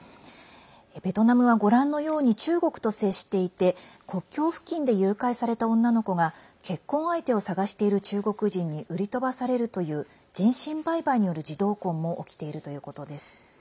ベトナムはご覧のように中国と接していて国境付近で誘拐された女の子が結婚相手を探している中国人に売り飛ばされるという人身売買による児童婚も起きているということです。